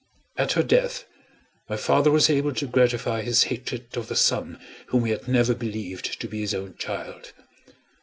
At her death, my father was able to gratify his hatred of the son whom he had never believed to be his own child.